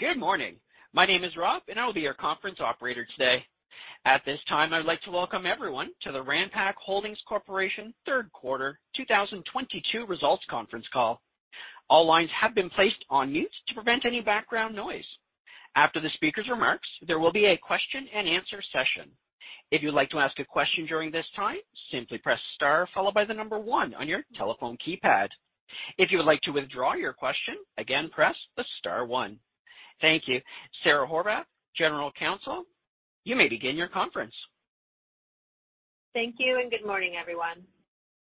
Good morning. My name is Rob, and I will be your conference operator today. At this time, I'd like to welcome everyone to the Ranpak Holdings Corp. third quarter 2022 results conference call. All lines have been placed on mute to prevent any background noise. After the speaker's remarks, there will be a question and answer session. If you'd like to ask a question during this time, simply press Star followed by the number one on your telephone keypad. If you would like to withdraw your question, again, press the star one. Thank you. Sara Horvath, General Counsel, you may begin your conference. Thank you, and good morning everyone.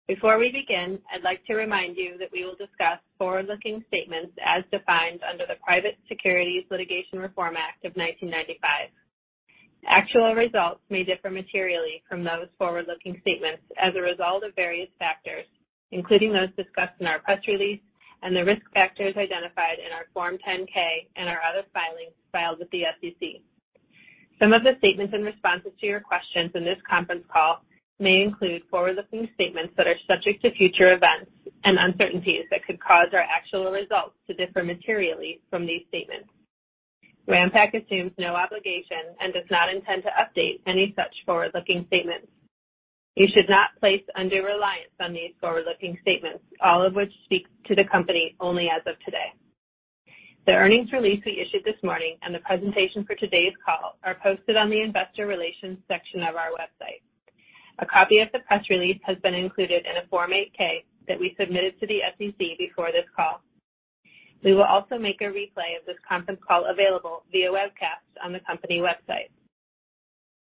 Before we begin, I'd like to remind you that we will discuss forward-looking statements as defined under the Private Securities Litigation Reform Act of 1995. Actual results may differ materially from those forward-looking statements as a result of various factors, including those discussed in our press release and the risk factors identified in our Form 10-K and our other filings filed with the SEC. Some of the statements and responses to your questions in this conference call may include forward-looking statements that are subject to future events and uncertainties that could cause our actual results to differ materially from these statements. Ranpak assumes no obligation and does not intend to update any such forward-looking statements. You should not place undue reliance on these forward-looking statements, all of which speak to the company only as of today. The earnings release we issued this morning and the presentation for today's call are posted on the investor relations section of our website. A copy of the press release has been included in a Form 8-K that we submitted to the SEC before this call. We will also make a replay of this conference call available via webcast on the company website.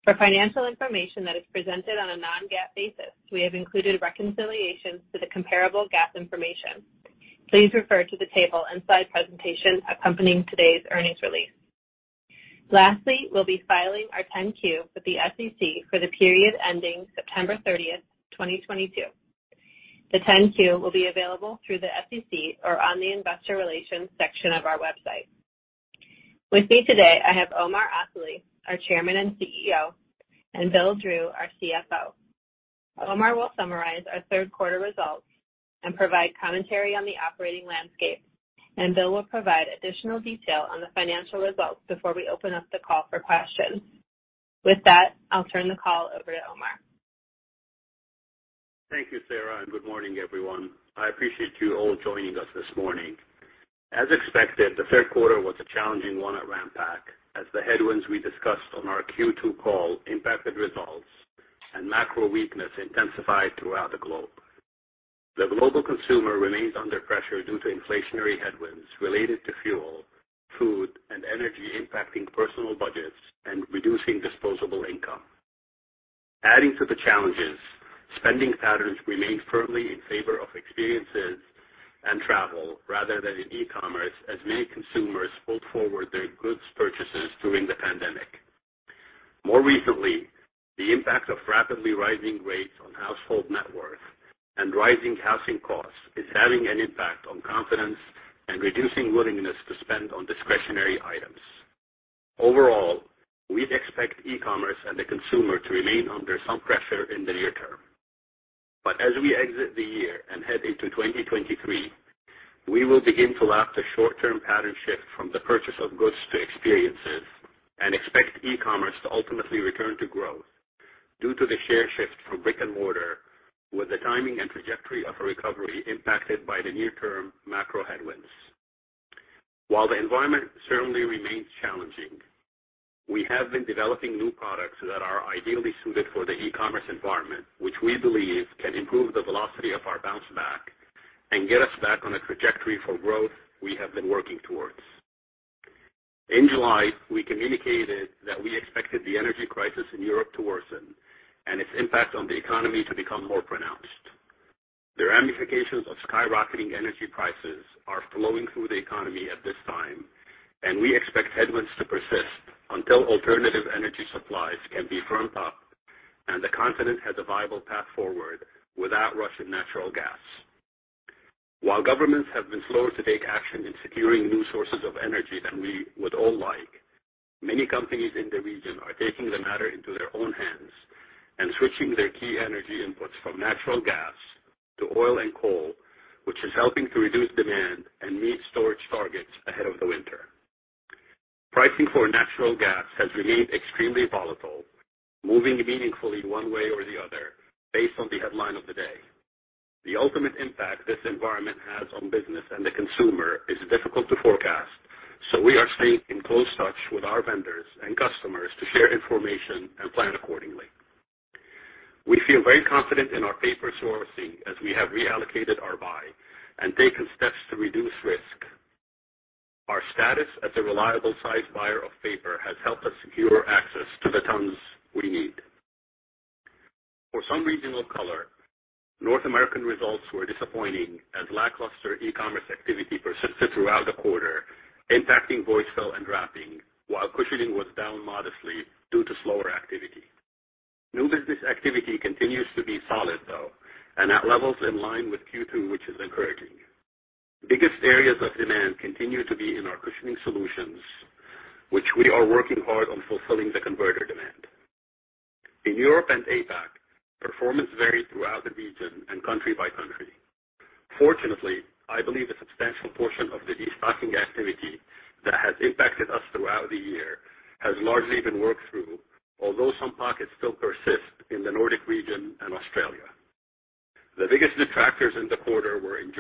For financial information that is presented on a non-GAAP basis, we have included reconciliations to the comparable GAAP information. Please refer to the table and slide presentation accompanying today's earnings release. Lastly, we'll be filing our 10-Q with the SEC for the period ending September 30th, 2022. The 10-Q will be available through the SEC or on the Investor Relations section of our website. With me today, I have Omar Asali, our Chairman and CEO, and Bill Drew, our CFO. Omar will summarize our third quarter results and provide commentary on the operating landscape, and Bill will provide additional detail on the financial results before we open up the call for questions. With that, I'll turn the call over to Omar. Thank you, Sara, and good morning, everyone. I appreciate you all joining us this morning. As expected, the third quarter was a challenging one at Ranpak as the headwinds we discussed on our Q2 call impacted results and macro weakness intensified throughout the globe. The global consumer remains under pressure due to inflationary headwinds related to fuel, food, and energy impacting personal budgets and reducing disposable income. Adding to the challenges, spending patterns remain firmly in favor of experiences and travel rather than in e-commerce, as many consumers pulled forward their goods purchases during the pandemic. More recently, the impact of rapidly rising rates on household net worth and rising housing costs is having an impact on confidence and reducing willingness to spend on discretionary items. Overall, we expect e-commerce and the consumer to remain under some pressure in the near term. As we exit the year and head into 2023, we will begin to lap the short-term pattern shift from the purchase of goods to experiences and expect e-commerce to ultimately return to growth due to the share shift from brick and mortar, with the timing and trajectory of a recovery impacted by the near-term macro headwinds. While the environment certainly remains challenging, we have been developing new products that are ideally suited for the e-commerce environment, which we believe can improve the velocity of our bounce back and get us back on a trajectory for growth we have been working towards. In July, we communicated that we expected the energy crisis in Europe to worsen and its impact on the economy to become more pronounced. The ramifications of skyrocketing energy prices are flowing through the economy at this time, and we expect headwinds to persist until alternative energy supplies can be ramped up and the continent has a viable path forward without Russian natural gas. While governments have been slower to take action in securing new sources of energy than we would all like, many companies in the region are taking the matter into their own hands and switching their key energy inputs from natural gas to oil and coal, which is helping to reduce demand and meet storage targets ahead of the winter. Pricing for natural gas has remained extremely volatile, moving meaningfully one way or the other based on the headline of the day. The ultimate impact this environment has on business and the consumer is difficult to forecast, so we are staying in close touch with our vendors and customers to share information and plan accordingly. We feel very confident in our paper sourcing as we have reallocated our buy and taken steps to reduce risk. Our status as a reliable sizable buyer of paper has helped us secure access to the tons we need. For some regional color, North American results were disappointing as lackluster e-commerce activity persisted throughout the quarter, impacting void fill and wrapping, while cushioning was down modestly due to slower activity. New business activity continues to be solid, though, and at levels in line with Q2, which is encouraging. Biggest areas of demand continue to be in our cushioning solutions, which we are working hard on fulfilling the converter demand. In Europe and APAC, performance varied throughout the region and country by country. Fortunately, I believe a substantial portion of the destocking activity that has impacted us throughout the year has largely been worked through, although some pockets still persist in the Nordic region and Australia. The biggest detractors in the quarter were in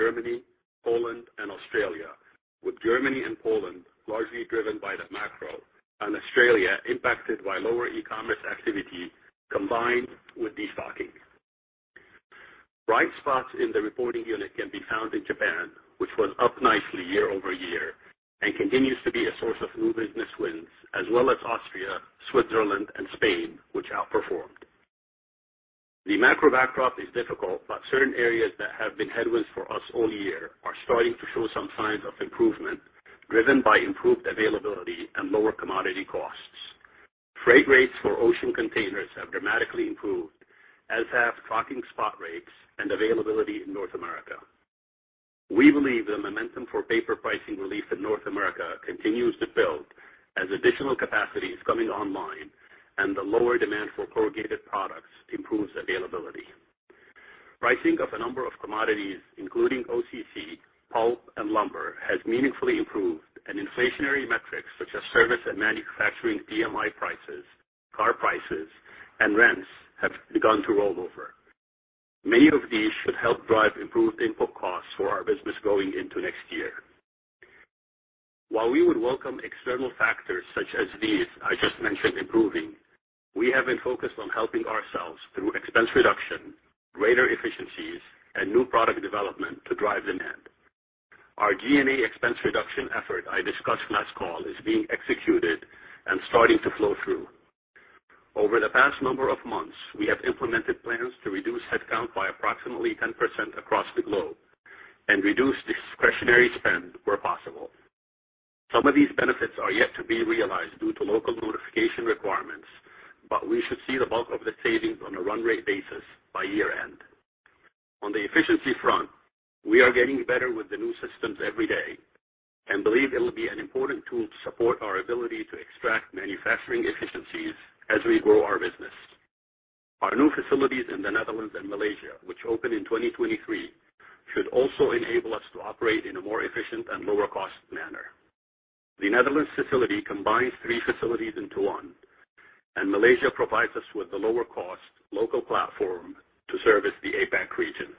Germany, Poland, and Australia, with Germany and Poland largely driven by the macro, and Australia impacted by lower e-commerce activity combined with destocking. Bright spots in the reporting unit can be found in Japan, which was up nicely year-over-year and continues to be a source of new business wins, as well as Austria, Switzerland, and Spain, which outperformed. The macro backdrop is difficult, but certain areas that have been headwinds for us all year are starting to show some signs of improvement, driven by improved availability and lower commodity costs. Freight rates for ocean containers have dramatically improved, as have trucking spot rates and availability in North America. We believe the momentum for paper pricing relief in North America continues to build as additional capacity is coming online and the lower demand for corrugated products improves availability. Pricing of a number of commodities, including OCC, pulp, and lumber, has meaningfully improved, and inflationary metrics such as service and manufacturing PMI prices, car prices, and rents have begun to roll over. Many of these should help drive improved input costs for our business going into next year. While we would welcome external factors such as these I just mentioned improving, we have been focused on helping ourselves through expense reduction, greater efficiencies, and new product development to drive demand. Our G&A expense reduction effort I discussed last call is being executed and starting to flow through. Over the past number of months, we have implemented plans to reduce headcount by approximately 10% across the globe and reduce discretionary spend where possible. Some of these benefits are yet to be realized due to local notification requirements, but we should see the bulk of the savings on a run rate basis by year-end. On the efficiency front, we are getting better with the new systems every day and believe it will be an important tool to support our ability to extract manufacturing efficiencies as we grow our business. Our new facilities in the Netherlands and Malaysia, which open in 2023, should also enable us to operate in a more efficient and lower cost manner. The Netherlands facility combines three facilities into one, and Malaysia provides us with a lower cost local platform to service the APAC region.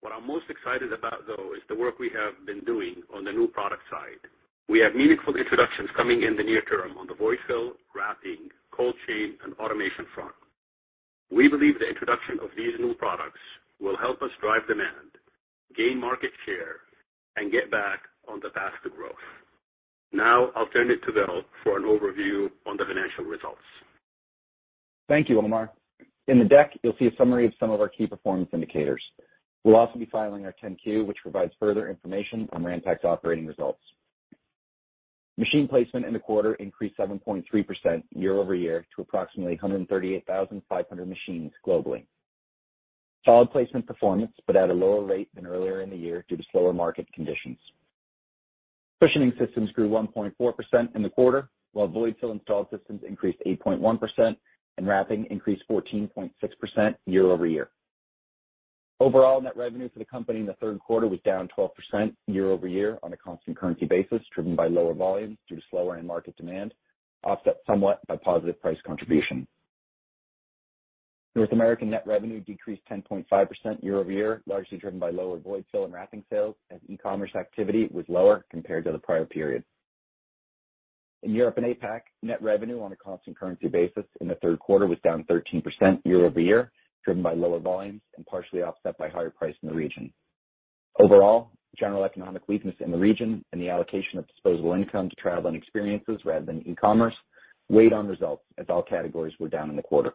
What I'm most excited about, though, is the work we have been doing on the new product side. We have meaningful introductions coming in the near term on the void fill, wrapping, cold chain, and automation front. We believe the introduction of these new products will help us drive demand, gain market share, and get back on the path to growth. Now I'll turn it to Bill for an overview on the financial results. Thank you, Omar. In the deck, you'll see a summary of some of our key performance indicators. We'll also be filing our 10-Q, which provides further information on Ranpak's operating results. Machine placement in the quarter increased 7.3% year-over-year to approximately 138,500 machines globally. Solid placement performance, but at a lower rate than earlier in the year due to slower market conditions. Cushioning systems grew 1.4% in the quarter, while void fill installed systems increased 8.1%, and wrapping increased 14.6% year-over-year. Overall, net revenue for the company in the third quarter was down 12% year-over-year on a constant currency basis, driven by lower volumes due to slower end market demand, offset somewhat by positive price contribution. North American net revenue decreased 10.5% year-over-year, largely driven by lower void fill and wrapping sales as e-commerce activity was lower compared to the prior period. In Europe and APAC, net revenue on a constant currency basis in the third quarter was down 13% year-over-year, driven by lower volumes and partially offset by higher price in the region. Overall, general economic weakness in the region and the allocation of disposable income to travel and experiences rather than e-commerce weighed on results as all categories were down in the quarter.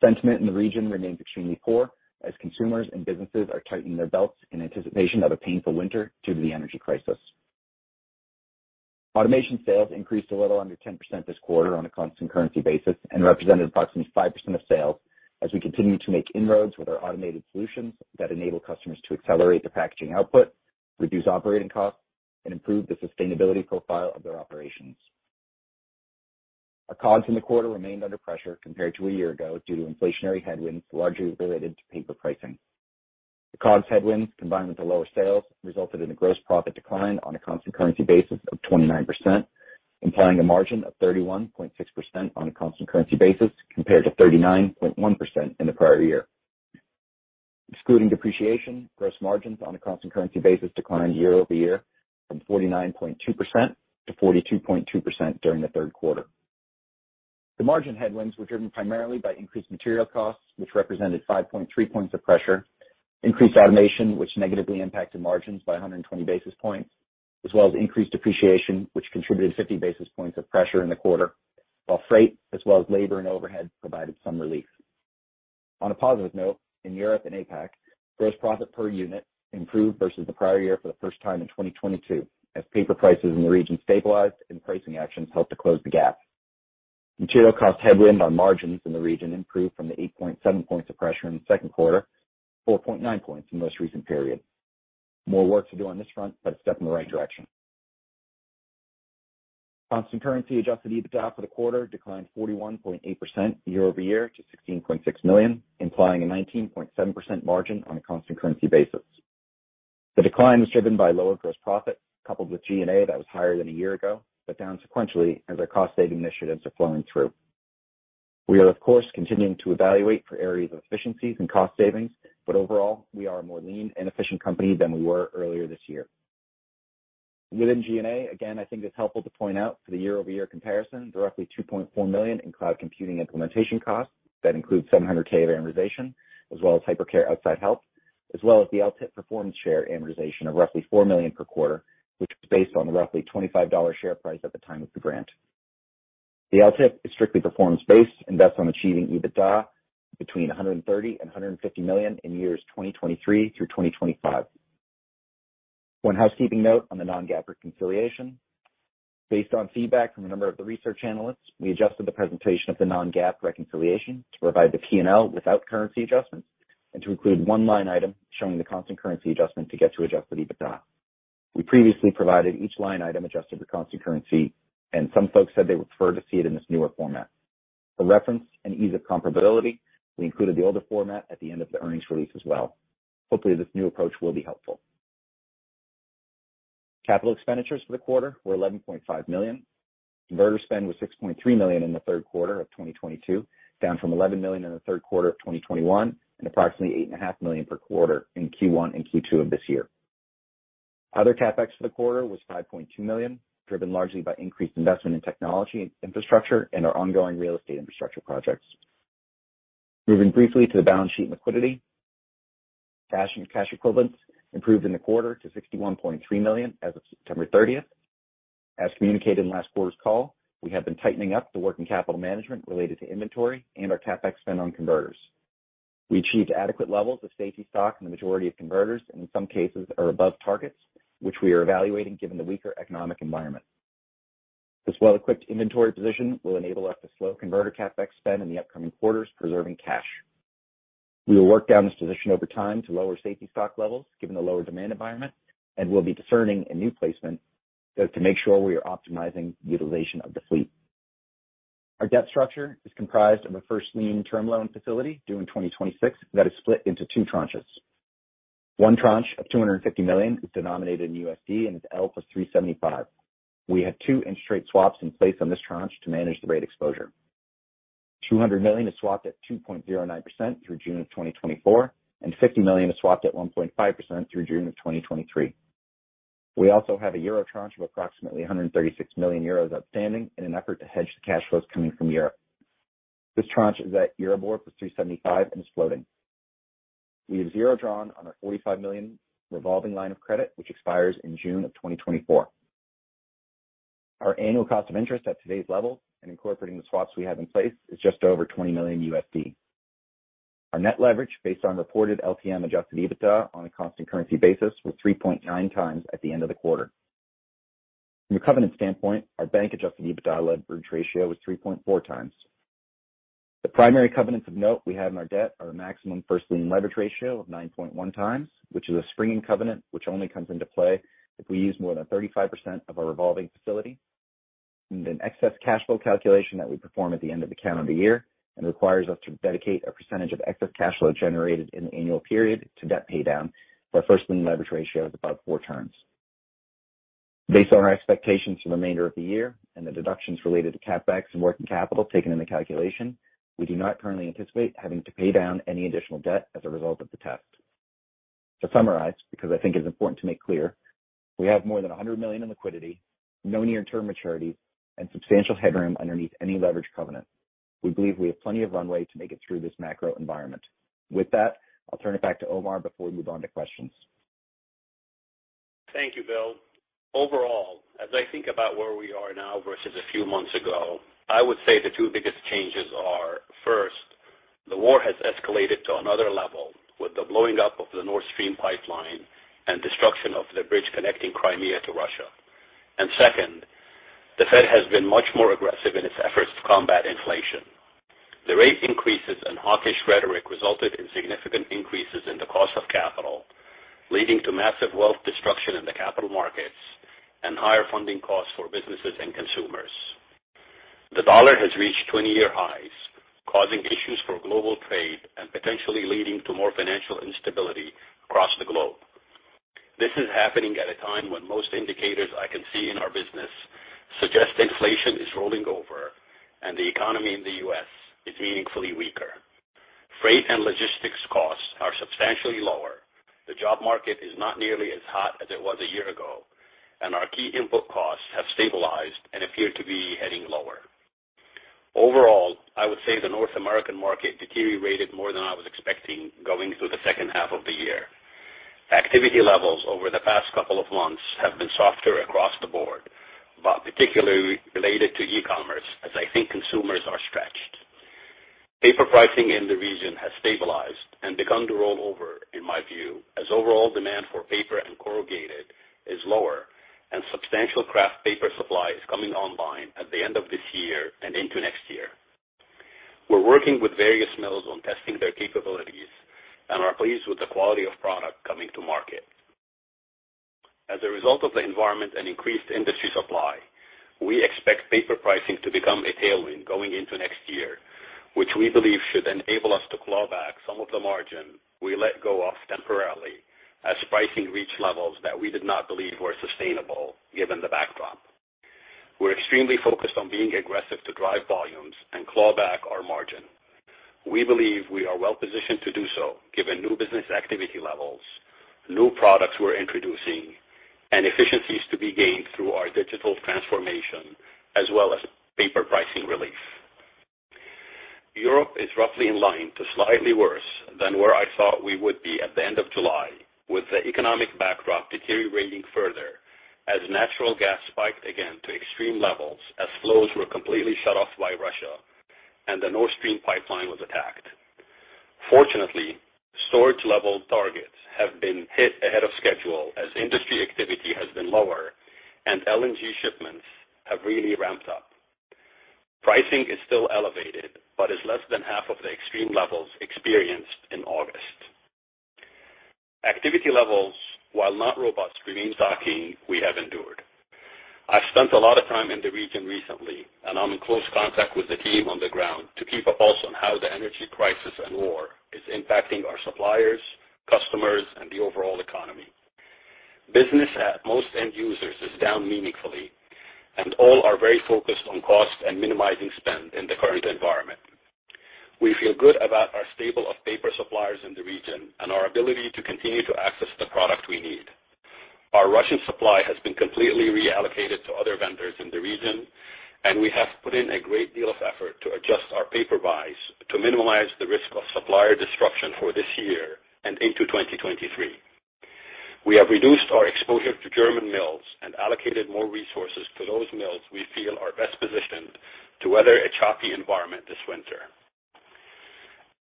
Sentiment in the region remains extremely poor as consumers and businesses are tightening their belts in anticipation of a painful winter due to the energy crisis. Automation sales increased a little under 10% this quarter on a constant currency basis and represented approximately 5% of sales as we continue to make inroads with our automated solutions that enable customers to accelerate their packaging output, reduce operating costs, and improve the sustainability profile of their operations. Our COGS in the quarter remained under pressure compared to a year ago due to inflationary headwinds, largely related to paper pricing. The COGS headwinds, combined with the lower sales, resulted in a gross profit decline on a constant currency basis of 29%, implying a margin of 31.6% on a constant currency basis compared to 39.1% in the prior year. Excluding depreciation, gross margins on a constant currency basis declined year over year from 49.2%-42.2% during the third quarter. The margin headwinds were driven primarily by increased material costs, which represented 5.3 points of pressure, increased automation, which negatively impacted margins by 120 basis points, as well as increased depreciation, which contributed 50 basis points of pressure in the quarter. While freight as well as labor and overhead provided some relief. On a positive note, in Europe and APAC, gross profit per unit improved versus the prior year for the first time in 2022 as paper prices in the region stabilized and pricing actions helped to close the gap. Material cost headwind on margins in the region improved from the 8.7 points of pressure in the second quarter to 4.9 points in most recent period. More work to do on this front, but a step in the right direction. Constant currency Adjusted EBITDA for the quarter declined 41.8% year-over-year to $16.6 million, implying a 19.7% margin on a constant currency basis. The decline was driven by lower gross profit coupled with G&A that was higher than a year ago, but down sequentially as our cost saving initiatives are flowing through. We are of course, continuing to evaluate for areas of efficiencies and cost savings, but overall we are a more lean and efficient company than we were earlier this year. Within G&A, again, I think it's helpful to point out for the year-over-year comparison, directly $2.4 million in cloud computing implementation costs. That includes $700K of amortization as well as Hypercare outside help, as well as the LTIP performance share amortization of roughly $4 million per quarter, which was based on the roughly $25 share price at the time of the grant. The LTIP is strictly performance-based and that's on achieving EBITDA between $130 million and $150 million in years 2023 through 2025. One housekeeping note on the non-GAAP reconciliation. Based on feedback from a number of the research analysts, we adjusted the presentation of the non-GAAP reconciliation to provide the P&L without currency adjustments and to include one line item showing the constant currency adjustment to get to Adjusted EBITDA. We previously provided each line item adjusted for constant currency, and some folks said they would prefer to see it in this newer format. For reference and ease of comparability, we included the older format at the end of the earnings release as well. Hopefully, this new approach will be helpful. Capital expenditures for the quarter were $11.5 million. [Converter] spend was $6.3 million in the third quarter of 2022, down from $11 million in the third quarter of 2021 and approximately $8.5 million per quarter in Q1 and Q2 of this year. Other CapEx for the quarter was $5.2 million, driven largely by increased investment in technology and infrastructure and our ongoing real estate infrastructure projects. Moving briefly to the balance sheet and liquidity. Cash and cash equivalents improved in the quarter to $61.3 million as of September 30th. As communicated in last quarter's call, we have been tightening up the working capital management related to inventory and our CapEx spend on converters. We achieved adequate levels of safety stock in the majority of converters, and in some cases are above targets which we are evaluating given the weaker economic environment. This well-equipped inventory position will enable us to slow converter CapEx spend in the upcoming quarters, preserving cash. We will work down this position over time to lower safety stock levels given the lower demand environment, and we'll be determining a new placement to make sure we are optimizing utilization of the fleet. Our debt structure is comprised of a first lien term loan facility due in 2026 that is split into two tranches. One tranche of $250 million is denominated in USD and is L+375. We have two interest rate swaps in place on this tranche to manage the rate exposure. $200 million is swapped at 2.09% through June 2024, and $50 million is swapped at 1.5% through June 2023. We also have a euro tranche of approximately 136 million euros outstanding in an effort to hedge the cash flows coming from Europe. This tranche is at EURIBOR + 375 and is floating. We have zero drawn on our $45 million revolving line of credit, which expires in June 2024. Our annual cost of interest at today's level and incorporating the swaps we have in place is just over $20 million. Our net leverage based on reported LTM adjusted EBITDA on a constant currency basis was 3.9x at the end of the quarter. From a covenant standpoint, our Bank-Adjusted EBITDA leverage ratio was 3.4x. The primary covenants of note we have in our debt are the maximum first lien leverage ratio of 9.1x, which is a springing covenant, which only comes into play if we use more than 35% of our revolving facility, and an excess cash flow calculation that we perform at the end of the calendar year and requires us to dedicate a percentage of excess cash flow generated in the annual period to debt paydown where first lien leverage ratio is above 4x. Based on our expectations for the remainder of the year and the deductions related to CapEx and working capital taken in the calculation, we do not currently anticipate having to pay down any additional debt as a result of the test. To summarize, because I think it is important to make clear, we have more than $100 million in liquidity, no near-term maturities, and substantial headroom underneath any leverage covenant. We believe we have plenty of runway to make it through this macro environment. With that, I'll turn it back to Omar before we move on to questions. Thank you, Bill. Overall, as I think about where we are now versus a few months ago, I would say the two biggest changes are, first, the war has escalated to another level with the blowing up of the Nord Stream pipeline and destruction of the bridge connecting Crimea to Russia. Second, the Fed has been much more aggressive in its efforts to combat inflation. The rate increases and hawkish rhetoric resulted in significant increases in the cost of capital, leading to massive wealth destruction in the capital markets and higher funding costs for businesses and consumers. The dollar has reached 20-year highs, causing issues for global trade and potentially leading to more financial instability across the globe. This is happening at a time when most indicators I can see in our business suggest inflation is rolling over and the economy in the U.S. is meaningfully weaker. Freight and logistics costs are substantially lower. The job market is not nearly as hot as it was a year ago, and our key input costs have stabilized and appear to be heading lower. Overall, I would say the North American market deteriorated more than I was expecting going through the second half of the year. Activity levels over the past couple of months have been softer across the board, but particularly related to e-commerce, as I think consumers are stretched. Paper pricing in the region has stabilized and begun to roll over, in my view, as overall demand for paper and corrugated is lower and substantial kraft paper supply is coming online at the end of this year and into next year. We're working with various mills on testing their capabilities and are pleased with the quality of product coming to market. As a result of the environment and increased industry supply, we expect paper pricing to become a tailwind going into next year, which we believe should enable us to claw back some of the margin we let go of temporarily as pricing reached levels that we did not believe were sustainable given the backdrop. We're extremely focused on being aggressive to drive volumes and claw back our margin. We believe we are well-positioned to do so given new business activity levels, new products we're introducing, and efficiencies to be gained through our digital transformation as well as paper pricing relief. Europe is roughly in line to slightly worse than where I thought we would be at the end of July, with the economic backdrop deteriorating further as natural gas spiked again to extreme levels as flows were completely shut off by Russia and the Nord Stream pipeline was attacked. Fortunately, storage level targets have been hit ahead of schedule as industry activity has been lower and LNG shipments have really ramped up. Pricing is still elevated, but is less than half of the extreme levels experienced in August. Activity levels, while not robust, remains rocky. We have endured. I've spent a lot of time in the region recently, and I'm in close contact with the team on the ground to keep a pulse on how the energy crisis and war is impacting our suppliers, customers, and the overall economy. Business at most end users is down meaningfully, and all are very focused on cost and minimizing spend in the current environment. We feel good about our stable of paper suppliers in the region and our ability to continue to access the product we need. Our Russian supply has been completely reallocated to other vendors in the region, and we have put in a great deal of effort to adjust our paper buys to minimize the risk of supplier disruption for this year and into 2023. We have reduced our exposure to German mills and allocated more resources to those mills we feel are best positioned to weather a choppy environment this winter.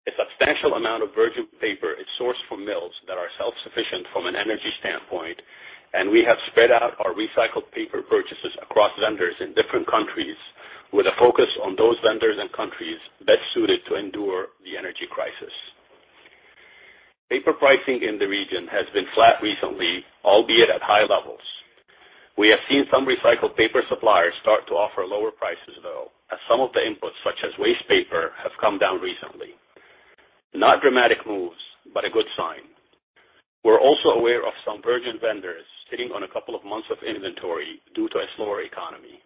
A substantial amount of virgin paper is sourced from mills that are self-sufficient from an energy standpoint, and we have spread out our recycled paper purchases across vendors in different countries with a focus on those vendors and countries best suited to endure the energy crisis. Paper pricing in the region has been flat recently, albeit at high levels. We have seen some recycled paper suppliers start to offer lower prices, though, as some of the inputs, such as waste paper, have come down recently. Not dramatic moves, but a good sign. We're also aware of some virgin vendors sitting on a couple of months of inventory due to a slower economy.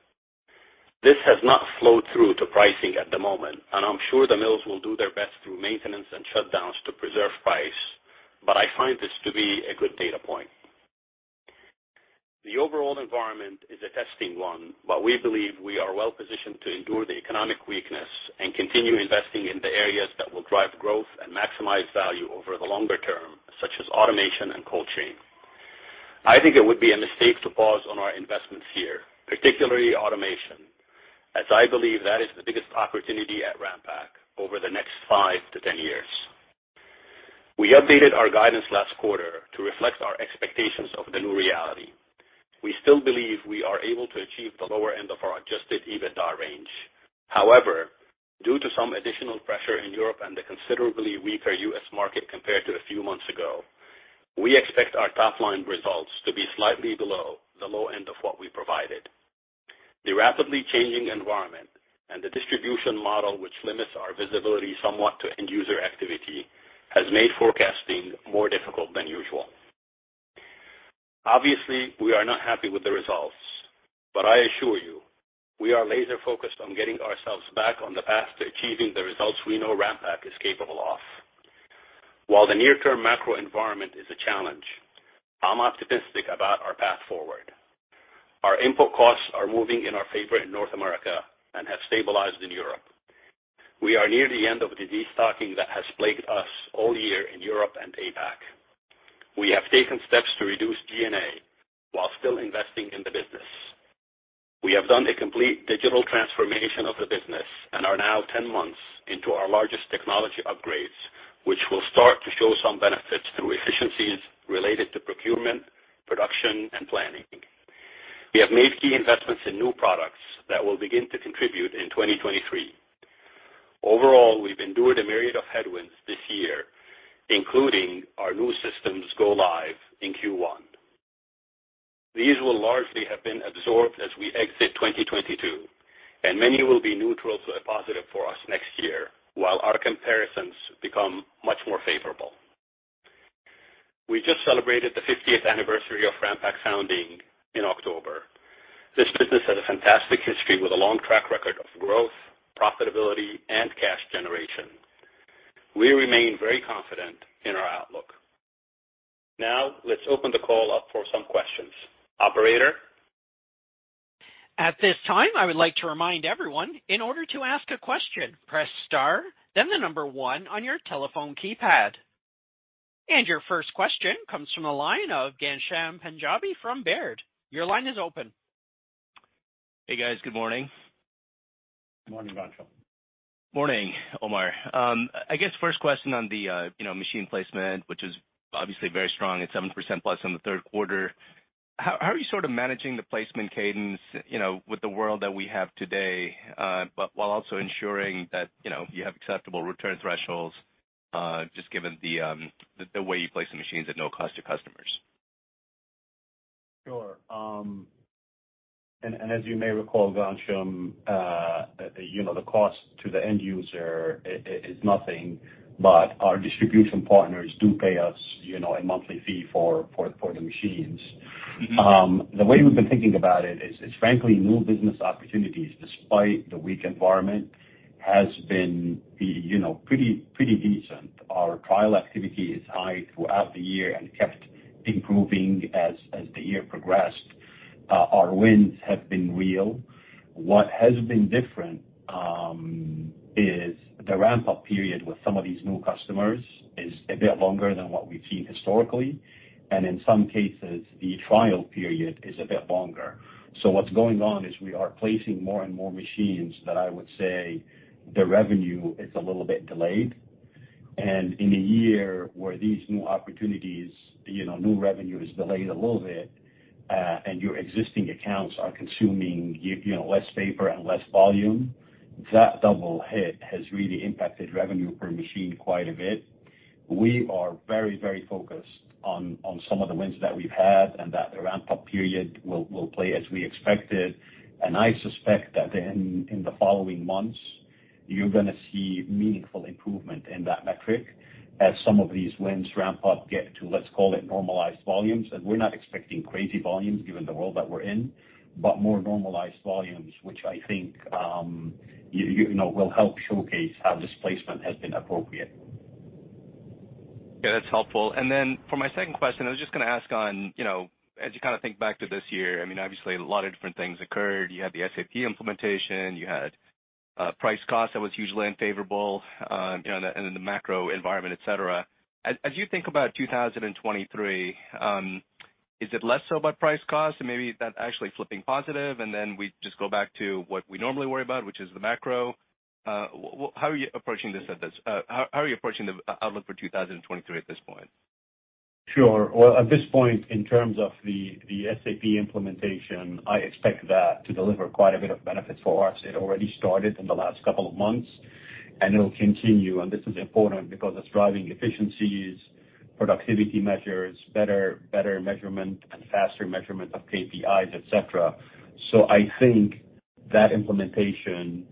This has not flowed through to pricing at the moment, and I'm sure the mills will do their best through maintenance and shutdowns to preserve price, but I find this to be a good data point. The overall environment is a testing one, but we believe we are well positioned to endure the economic weakness and continue investing in the areas that will drive growth and maximize value over the longer term, such as automation and cold chain. I think it would be a mistake to pause on our investments here, particularly automation, as I believe that is the biggest opportunity at Ranpak over the next 5-10 years. We updated our guidance last quarter to reflect our expectations of the new reality. We still believe we are able to achieve the lower end of our Adjusted EBITDA range. However, due to some additional pressure in Europe and the considerably weaker U.S. market compared to a few months ago, we expect our top-line results to be slightly below the low end of what we provided. The rapidly changing environment and the distribution model, which limits our visibility somewhat to end user activity, has made forecasting more difficult than usual. Obviously, we are not happy with the results, but I assure you, we are laser focused on getting ourselves back on the path to achieving the results we know Ranpak is capable of. While the near term macro environment is a challenge, I'm optimistic about our path forward. Our input costs are moving in our favor in North America and have stabilized in Europe. We are near the end of the destocking that has plagued us all year in Europe and APAC. We have taken steps to reduce G&A while still investing in the business. We have done a complete digital transformation of the business and are now 10 months into our largest technology upgrades, which will start to show some benefits through efficiencies related to procurement, production, and planning. We have made key investments in new products that will begin to contribute in 2023. Overall, we've endured a myriad of headwinds this year, including our new systems go live in Q1. These will largely have been absorbed as we exit 2022, and many will be neutral to positive for us next year while our comparisons become much more favorable. We just celebrated the 50th anniversary of Ranpak's founding in October. This business has a fantastic history with a long track record of growth, profitability, and cash generation. We remain very confident in our outlook. Now, let's open the call up for some questions. Operator? At this time, I would like to remind everyone in order to ask a question, press star, then the number one on your telephone keypad. Your first question comes from the line of Ghansham Panjabi from Baird. Your line is open. Hey, guys. Good morning. Morning, Omar. I guess first question on the, you know, machine placement, which is obviously very strong at 7%+ on the third quarter. How are you sort of managing the placement cadence, you know, with the world that we have today, but while also ensuring that, you know, you have acceptable return thresholds, just given the way you place the machines at no cost to customers? Sure. And as you may recall, Ghansham, you know, the cost to the end user is nothing, but our distribution partners do pay us, you know, a monthly fee for the machines. The way we've been thinking about it is frankly, new business opportunities, despite the weak environment, has been, you know, pretty decent. Our trial activity is high throughout the year and kept improving as the year progressed. Our wins have been real. What has been different is the ramp-up period with some of these new customers is a bit longer than what we've seen historically, and in some cases, the trial period is a bit longer. What's going on is we are placing more and more machines that I would say the revenue is a little bit delayed. In a year where these new opportunities, you know, new revenue is delayed a little bit, and your existing accounts are consuming, you know, less paper and less volume, that double hit has really impacted revenue per machine quite a bit. We are very, very focused on some of the wins that we've had and that the ramp-up period will play as we expected. I suspect that in the following months, you're gonna see meaningful improvement in that metric as some of these wins ramp up, get to, let's call it, normalized volumes. We're not expecting crazy volumes given the world that we're in, but more normalized volumes, which I think, you know, will help showcase how this placement has been appropriate. Yeah, that's helpful. For my second question, I was just gonna ask on, you know, as you kinda think back to this year, I mean, obviously a lot of different things occurred. You had the SAP implementation, you had price cost that was hugely unfavorable, and the macro environment, et cetera. As you think about 2023, is it less so about price cost and maybe that actually flipping positive, and then we just go back to what we normally worry about, which is the macro? Well, how are you approaching the outlook for 2023 at this point? Sure. Well, at this point, in terms of the SAP implementation, I expect that to deliver quite a bit of benefit for us. It already started in the last couple of months, and it'll continue. This is important because it's driving efficiencies, productivity measures, better measurement and faster measurement of KPIs, etc. I think that implementation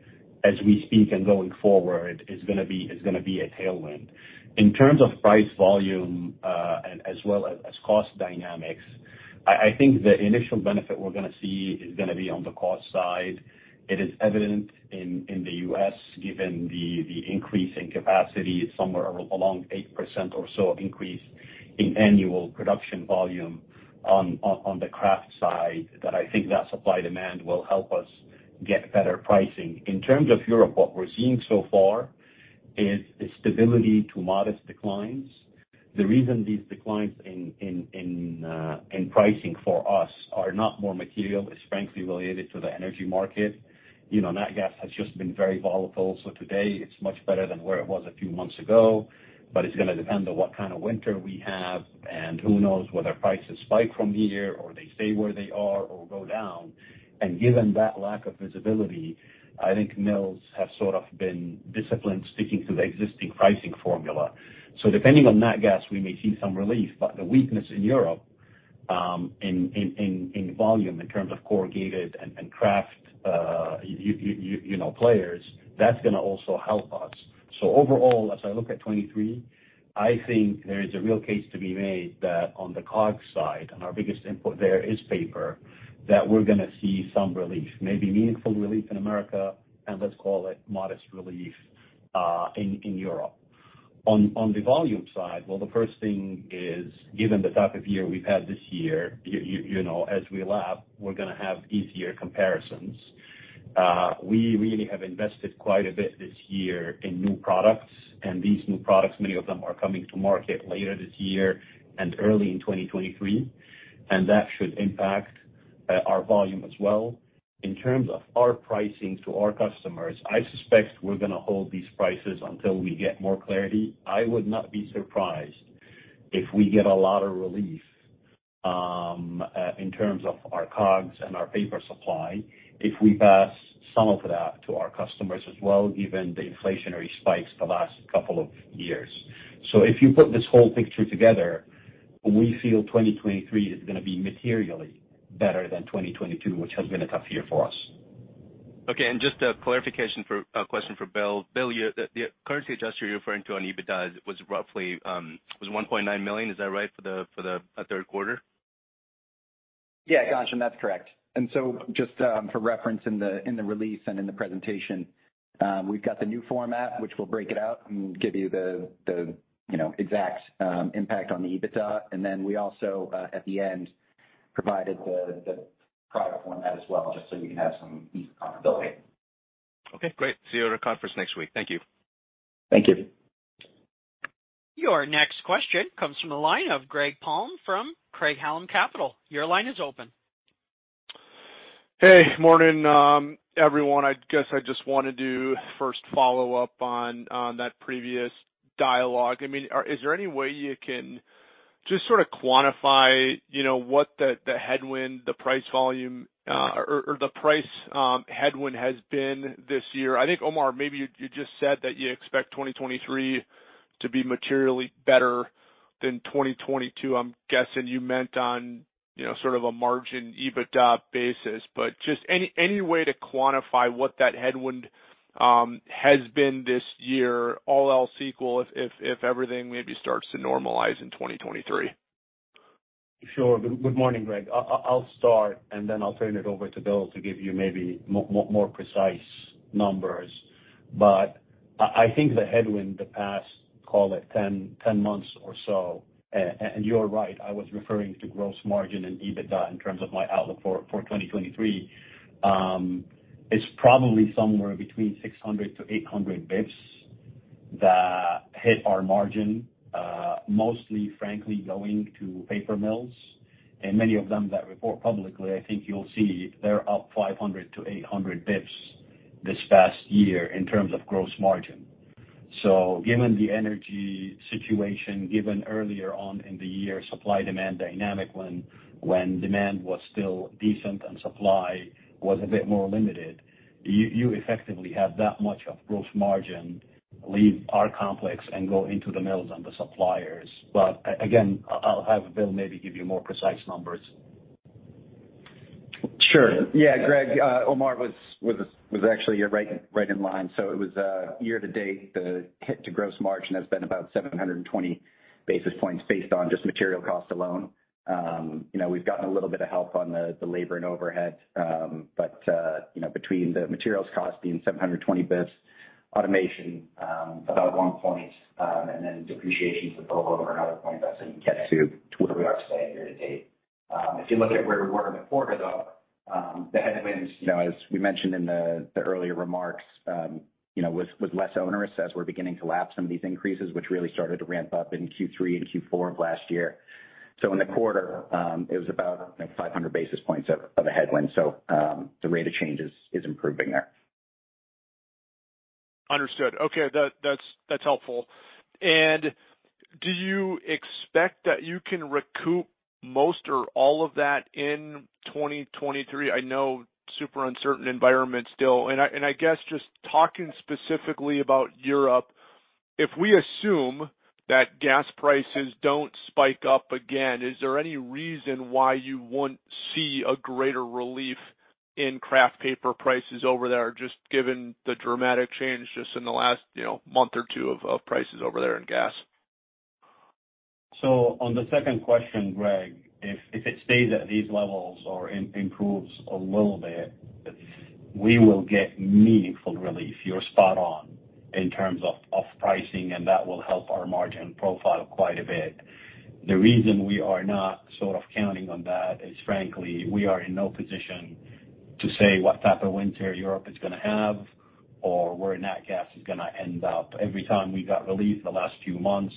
as we speak and going forward is gonna be a tailwind. In terms of price volume and as well as cost dynamics, I think the initial benefit we're gonna see is gonna be on the cost side. It is evident in the U.S., given the increase in capacity somewhere along 8% or so increase in annual production volume on the kraft side, that I think that supply-demand will help us get better pricing. In terms of Europe, what we're seeing so far is stability to modest declines. The reason these declines in pricing for us are not more material is frankly related to the energy market. You know, nat gas has just been very volatile. Today it's much better than where it was a few months ago, but it's gonna depend on what kind of winter we have and who knows whether prices spike from here or they stay where they are or go down. Given that lack of visibility, I think mills have sort of been disciplined sticking to the existing pricing formula. Depending on nat gas, we may see some relief. The weakness in Europe, in volume in terms of corrugated and kraft, you know, players, that's gonna also help us. Overall, as I look at 2023, I think there is a real case to be made that on the COGS side, and our biggest input there is paper, that we're gonna see some relief, maybe meaningful relief in America, and let's call it modest relief, in Europe. On the volume side, well, the first thing is, given the type of year we've had this year, you know, as we lap, we're gonna have easier comparisons. We really have invested quite a bit this year in new products. These new products, many of them are coming to market later this year and early in 2023, and that should impact our volume as well. In terms of our pricing to our customers, I suspect we're gonna hold these prices until we get more clarity. I would not be surprised if we get a lot of relief, in terms of our COGS and our paper supply, if we pass some of that to our customers as well, given the inflationary spikes the last couple of years. If you put this whole picture together, we feel 2023 is gonna be materially better than 2022, which has been a tough year for us. Okay. Just a clarification question for Bill. Bill, the currency adjuster you're referring to on EBITDA was roughly $1.9 million. Is that right for the third quarter? Yeah, Ghansham, that's correct. Just for reference in the release and in the presentation, we've got the new format, which we'll break it out and give you the you know exact impact on the EBITDA. We also at the end provided the product format as well, just so you can have some ease of comparability. Okay, great. See you at our conference next week. Thank you. Thank you. Your next question comes from the line of Greg Palm from Craig-Hallum Capital. Your line is open. Hey, morning, everyone. I guess I just wanna do a first follow-up on that previous dialogue. I mean, is there any way you can just sort of quantify, you know, what the headwind, the price volume or the price headwind has been this year? I think, Omar, maybe you just said that you expect 2023 to be materially better than 2022. I'm guessing you meant on, you know, sort of a margin EBITDA basis. Just any way to quantify what that headwind has been this year, all else equal, if everything maybe starts to normalize in 2023? Sure. Good morning, Greg. I'll start, and then I'll turn it over to Bill to give you maybe more precise numbers. I think the headwind the past, call it 10 months or so, and you're right, I was referring to gross margin and EBITDA in terms of my outlook for 2023. It's probably somewhere between 600-800 basis points that hit our margin, mostly frankly going to paper mills. Many of them that report publicly, I think you'll see they're up 500-800 basis points this past year in terms of gross margin. Given the energy situation, given earlier on in the year supply-demand dynamic when demand was still decent and supply was a bit more limited, you effectively have that much of gross margin leave our complex and go into the mills and the suppliers. Again, I'll have Bill maybe give you more precise numbers. Sure. Yeah, Greg, Omar was actually right in line. It was year to date, the hit to gross margin has been about 720 basis points based on just material cost alone. You know, we've gotten a little bit of help on the labor and overhead. But you know, between the materials cost being 720 basis points, automation about one point, and then depreciation over another point, that's how you get to where we are today year to date. If you look at where we were in the quarter, though, the headwinds you know, as we mentioned in the earlier remarks, you know, was less onerous as we're beginning to lap some of these increases, which really started to ramp up in Q3 and Q4 of last year. In the quarter, it was about 500 basis points of a headwind. The rate of change is improving there. Understood. Okay, that's helpful. Do you expect that you can recoup most or all of that in 2023? I know super uncertain environment still. I guess just talking specifically about Europe, if we assume that gas prices don't spike up again, is there any reason why you won't see a greater relief in kraft paper prices over there, just given the dramatic change just in the last, you know, month or two of prices over there in gas? On the second question, Greg, if it stays at these levels or improves a little bit, we will get meaningful relief. You're spot on in terms of pricing, and that will help our margin profile quite a bit. The reason we are not sort of counting on that is, frankly, we are in no position to say what type of winter Europe is gonna have or where natural gas is gonna end up. Every time we got relief in the last few months,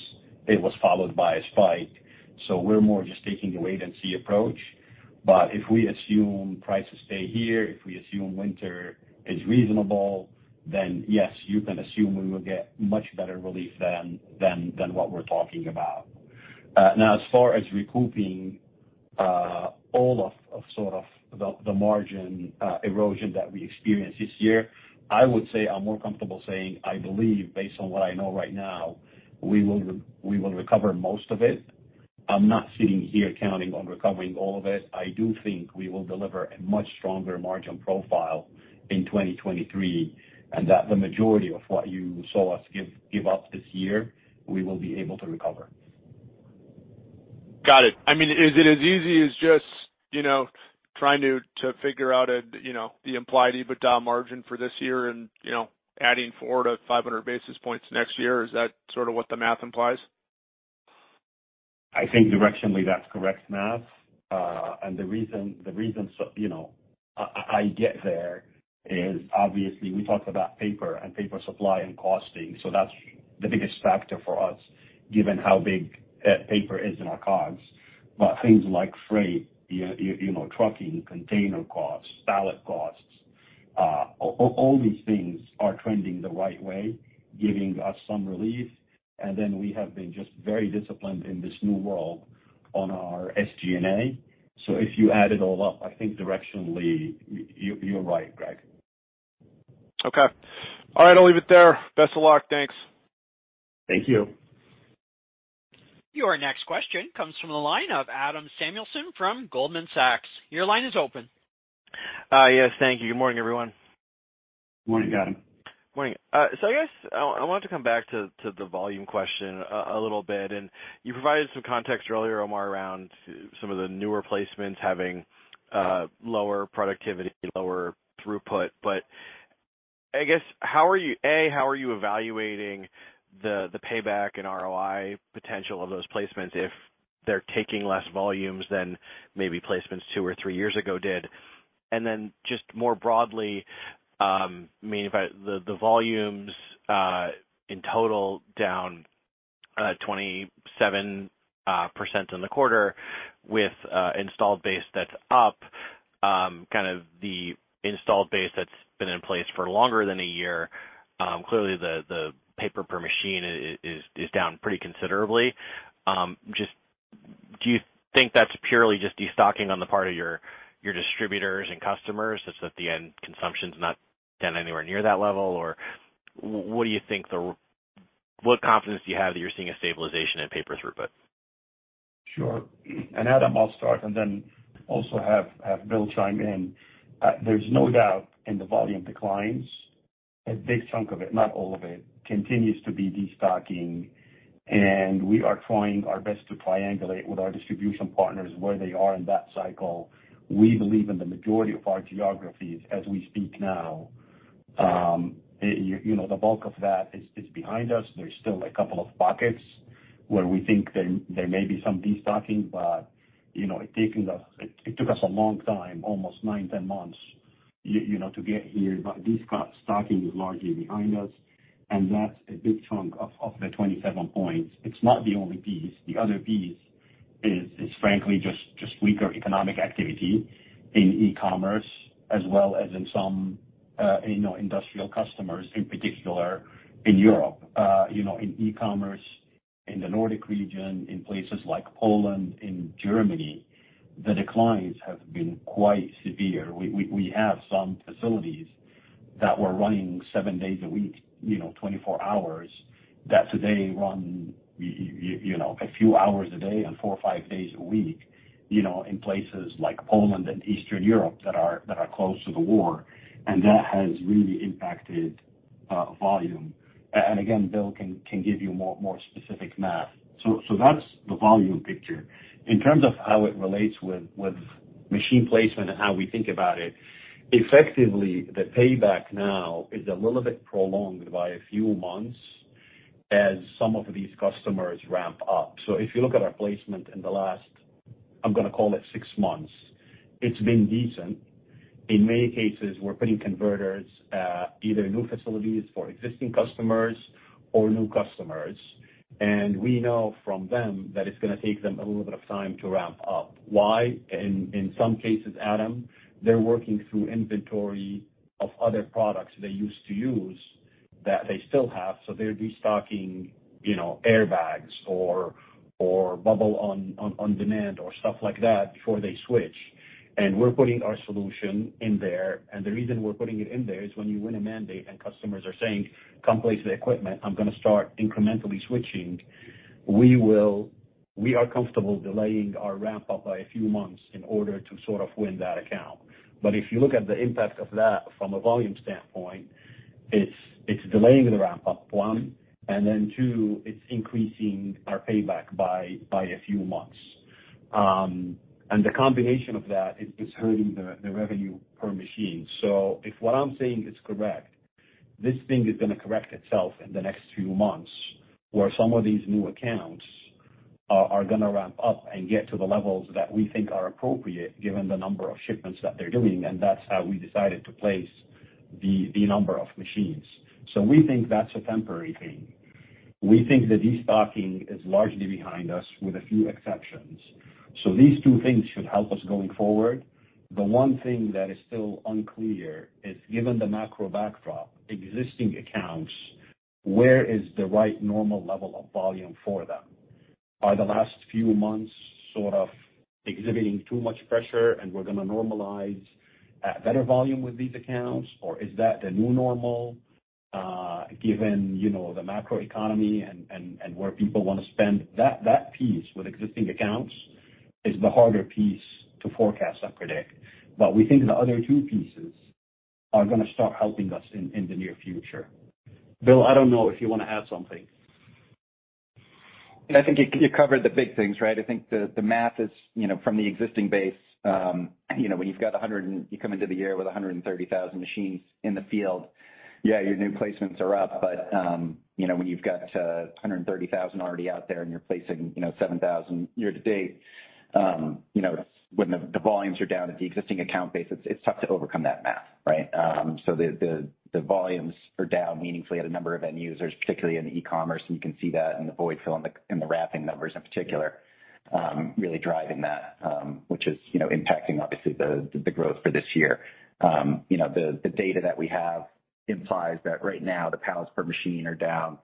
it was followed by a spike. We're more just taking a wait-and-see approach. If we assume prices stay here, if we assume winter is reasonable, then yes, you can assume we will get much better relief than what we're talking about. Now as far as recouping all of sort of the margin erosion that we experienced this year, I would say I'm more comfortable saying I believe based on what I know right now, we will recover most of it. I'm not sitting here counting on recovering all of it. I do think we will deliver a much stronger margin profile in 2023, and that the majority of what you saw us give up this year, we will be able to recover. Got it. I mean, is it as easy as just, you know, trying to figure out a, you know, the implied EBITDA margin for this year and, you know, adding 400-500 basis points next year? Is that sort of what the math implies? I think directionally that's correct math. The reason you know, I get there is obviously we talked about paper and paper supply and costing, so that's the biggest factor for us given how big paper is in our costs. Things like freight, you know, trucking, container costs, pallet costs, all these things are trending the right way, giving us some relief. We have been just very disciplined in this new world on our SG&A. If you add it all up, I think directionally you're right, Greg. Okay. All right, I'll leave it there. Best of luck. Thanks. Thank you. Your next question comes from the line of Adam Samuelson from Goldman Sachs. Your line is open. Yes, thank you. Good morning, everyone. Morning, Adam. Morning. So I guess I wanted to come back to the volume question a little bit. You provided some context earlier, Omar, around some of the newer placements having lower productivity, lower throughput. I guess, how are you evaluating the payback and ROI potential of those placements if they're taking less volumes than maybe placements two or three years ago did? Just more broadly, I mean, by the volumes in total down 27% in the quarter with installed base that's up. Kind of the installed base that's been in place for longer than a year, clearly the paper per machine is down pretty considerably. Just do you think that's purely just destocking on the part of your distributors and customers, it's just that the end consumption's not down anywhere near that level? Or what confidence do you have that you're seeing a stabilization in paper throughput? Sure. Adam, I'll start and then have Bill chime in. There's no doubt in the volume declines, a big chunk of it, not all of it, continues to be destocking, and we are trying our best to triangulate with our distribution partners where they are in that cycle. We believe in the majority of our geographies as we speak now, you know, the bulk of that is behind us. There's still a couple of buckets where we think there may be some destocking, but you know, it's taken us. It took us a long time, almost 9-10 months, you know, to get here. Destocking is largely behind us, and that's a big chunk of the 27 points. It's not the only piece. The other piece is frankly just weaker economic activity in e-commerce as well as in some, you know, industrial customers, in particular in Europe. You know, in e-commerce in the Nordic region, in places like Poland, in Germany, the declines have been quite severe. We have some facilities that were running seven days a week, you know, 24 hours, that today run you know, a few hours a day and four or five days a week. You know, in places like Poland and Eastern Europe that are close to the war, and that has really impacted volume. And again, Bill can give you more specific math. So that's the volume picture. In terms of how it relates with machine placement and how we think about it, effectively, the payback now is a little bit prolonged by a few months as some of these customers ramp up. If you look at our placement in the last, I'm gonna call it six months, it's been decent. In many cases, we're putting converters, either new facilities for existing customers or new customers, and we know from them that it's gonna take them a little bit of time to ramp up. Why? In some cases, Adam, they're working through inventory of other products they used to use that they still have, so they're destocking, you know, airbags or bubble on demand or stuff like that before they switch. We're putting our solution in there, and the reason we're putting it in there is when you win a mandate and customers are saying, "Come place the equipment, I'm gonna start incrementally switching." We are comfortable delaying our ramp up by a few months in order to sort of win that account. If you look at the impact of that from a volume standpoint, it's delaying the ramp up, one, and then two, it's increasing our payback by a few months. The combination of that is hurting the revenue per machine. If what I'm saying is correct, this thing is gonna correct itself in the next few months, where some of these new accounts are gonna ramp up and get to the levels that we think are appropriate given the number of shipments that they're doing, and that's how we decided to place the number of machines. We think that's a temporary thing. We think the destocking is largely behind us with a few exceptions. These two things should help us going forward. The one thing that is still unclear is, given the macro backdrop, existing accounts, where is the right normal level of volume for them? Are the last few months sort of exhibiting too much pressure and we're gonna normalize better volume with these accounts? Is that the new normal, given, you know, the macroeconomy and where people wanna spend? That piece with existing accounts is the harder piece to forecast and predict. We think the other two pieces are gonna start helping us in the near future. Bill, I don't know if you wanna add something. I think you covered the big things, right? I think the math is, you know, from the existing base, you know, when you come into the year with 130,000 machines in the field, yeah, your new placements are up. You know, when you've got 130,000 already out there and you're placing, you know, 7,000 year to date, you know, when the volumes are down at the existing account base, it's tough to overcome that math, right? The volumes are down meaningfully at a number of end users, particularly in the e-commerce. You can see that in the void fill and the wrapping numbers in particular, really driving that, which is, you know, impacting obviously the growth for this year. You know, the data that we have implies that right now the pallets per machine are down,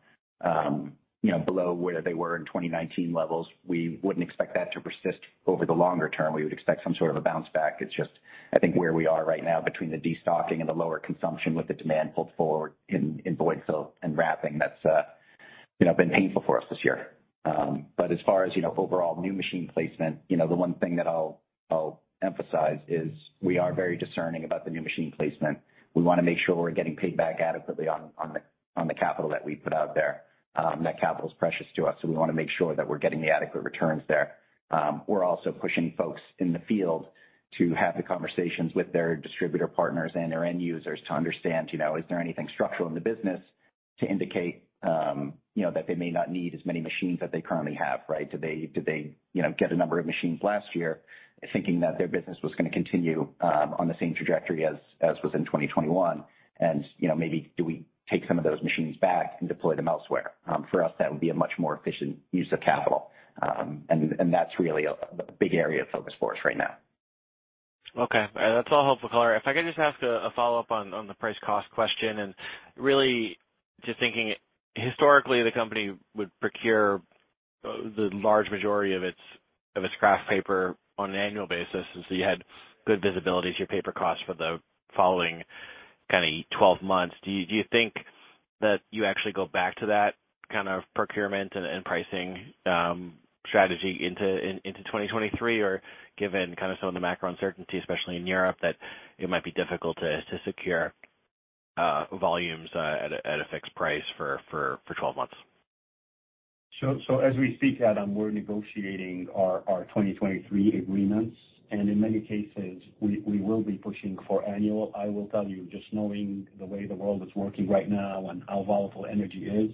you know, below where they were in 2019 levels. We wouldn't expect that to persist over the longer term. We would expect some sort of a bounce back. It's just, I think, where we are right now between the destocking and the lower consumption with the demand pulled forward in void fill and wrapping, that's, you know, been painful for us this year. But as far as, you know, overall new machine placement, you know, the one thing that I'll emphasize is we are very discerning about the new machine placement. We wanna make sure we're getting paid back adequately on the capital that we put out there. That capital is precious to us, so we wanna make sure that we're getting the adequate returns there. We're also pushing folks in the field to have the conversations with their distributor partners and their end users to understand, you know, is there anything structural in the business to indicate, you know, that they may not need as many machines as they currently have, right? Do they, you know, get a number of machines last year thinking that their business was gonna continue on the same trajectory as was in 2021? You know, maybe do we take some of those machines back and deploy them elsewhere? For us, that would be a much more efficient use of capital. That's really the big area of focus for us right now. Okay. That's all helpful, Omar Asali. If I could just ask a follow-up on the price cost question, and really just thinking, historically, the company would procure the large majority of its kraft paper on an annual basis. You had good visibility to your paper costs for the following kind of 12 months. Do you think that you actually go back to that kind of procurement and pricing strategy into 2023? Or given kind of some of the macro uncertainty, especially in Europe, that it might be difficult to secure volumes at a fixed price for 12 months? As we speak, Adam, we're negotiating our 2023 agreements, and in many cases we will be pushing for annual. I will tell you, just knowing the way the world is working right now and how volatile energy is,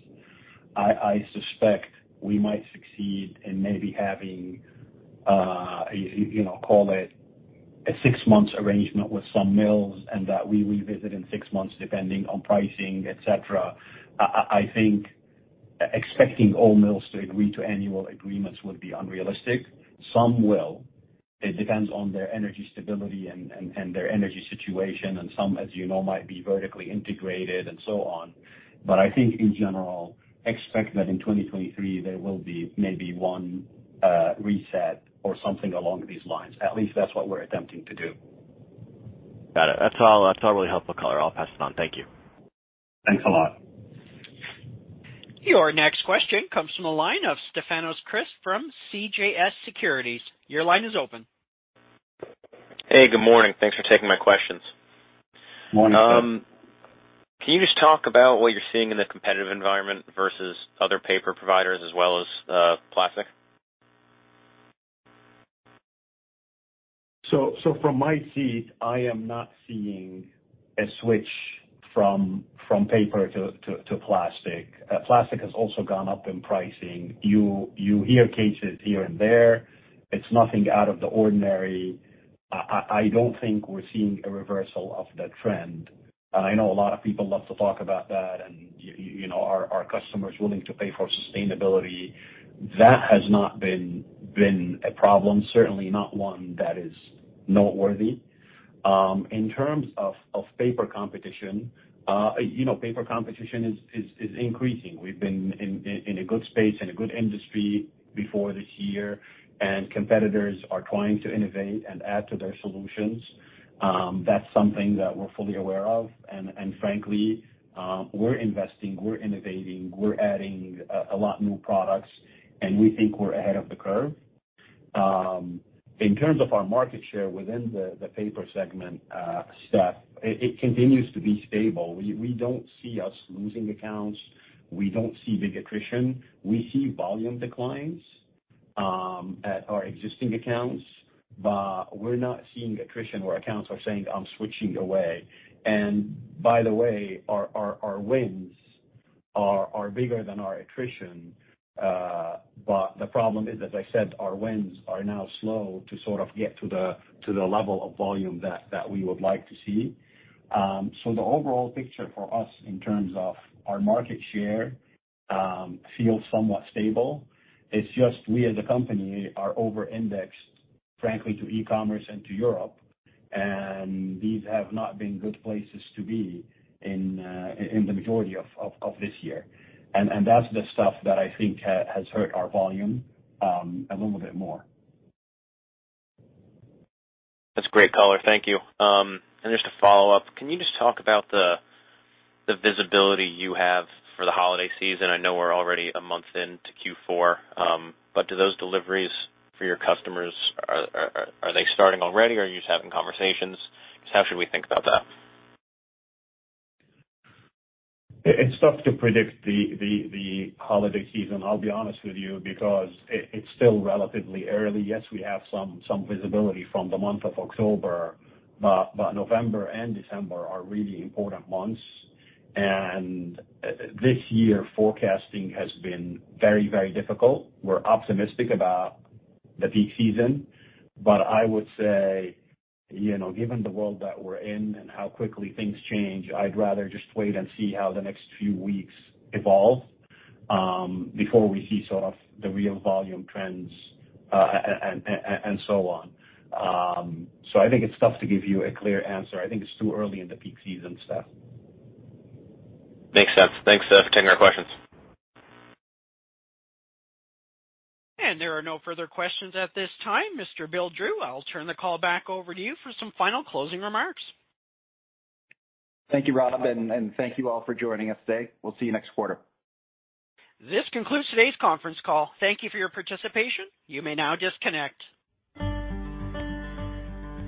I suspect we might succeed in maybe having you know, call it a six months arrangement with some mills, and that we revisit in six months, depending on pricing, et cetera. I think expecting all mills to agree to annual agreements would be unrealistic. Some will. It depends on their energy stability and their energy situation, and some, as you know, might be vertically integrated and so on. I think in general, expect that in 2023 there will be maybe one reset or something along these lines. At least that's what we're attempting to do. Got it. That's all really helpful, Omar Asali. I'll pass it on. Thank you. Thanks a lot. Your next question comes from the line of Stefanos Crist from CJS Securities. Your line is open. Hey, good morning. Thanks for taking my questions. Morning, Stef. Can you just talk about what you're seeing in the competitive environment versus other paper providers as well as plastic? From my seat, I am not seeing a switch from paper to plastic. Plastic has also gone up in pricing. You hear cases here and there. It's nothing out of the ordinary. I don't think we're seeing a reversal of that trend. I know a lot of people love to talk about that, you know, are customers willing to pay for sustainability? That has not been a problem, certainly not one that is noteworthy. In terms of paper competition, you know, paper competition is increasing. We've been in a good space and a good industry before this year, and competitors are trying to innovate and add to their solutions. That's something that we're fully aware of. Frankly, we're investing, we're innovating, we're adding a lot of new products, and we think we're ahead of the curve. In terms of our market share within the paper segment, Stef, it continues to be stable. We don't see us losing accounts. We don't see big attrition. We see volume declines at our existing accounts, but we're not seeing attrition where accounts are saying, "I'm switching away." By the way, our wins are bigger than our attrition. But the problem is, as I said, our wins are now slow to sort of get to the level of volume that we would like to see. The overall picture for us in terms of our market share feels somewhat stable. It's just we as a company are over-indexed, frankly, to e-commerce and to Europe, and these have not been good places to be in in the majority of this year. That's the stuff that I think has hurt our volume a little bit more. That's great, Omar Asali. Thank you. Just a follow-up. Can you just talk about the visibility you have for the holiday season? I know we're already a month into Q4, but do those deliveries for your customers, are they starting already? Are you just having conversations? Just how should we think about that? It's tough to predict the holiday season, I'll be honest with you, because it's still relatively early. Yes, we have some visibility from the month of October, but November and December are really important months. This year, forecasting has been very difficult. We're optimistic about the peak season. I would say, you know, given the world that we're in and how quickly things change, I'd rather just wait and see how the next few weeks evolve before we see sort of the real volume trends and so on. I think it's tough to give you a clear answer. I think it's too early in the peak season, Stef. Makes sense. Thanks, for taking our questions. There are no further questions at this time. Mr. Bill Drew, I'll turn the call back over to you for some final closing remarks. Thank you, Rob, and thank you all for joining us today. We'll see you next quarter. This concludes today's conference call. Thank you for your participation. You may now disconnect.